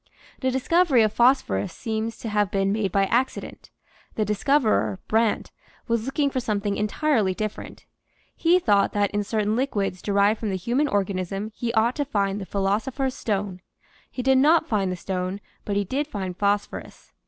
The discovery of phosphorus seems to have been made by accident; the discoverer, Brandt, was looking for something entirely different. He thought that in certain liquids derived from the human organism he ought to find the philosopher's stone ; he did not find the stone, but he did find phosphorus.